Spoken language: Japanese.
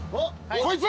こいつ！